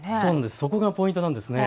そこがポイントなんですね。